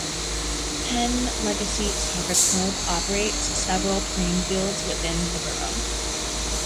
Penn Legacy Soccer Club operates several playing fields within the borough.